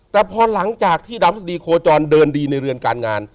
แต่พอหลังจากที่ดาวพฤษฎีโคจรเดินดีในเรือนการงาน